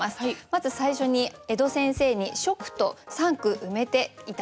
まず最初に江戸先生に初句と三句埋めて頂いております。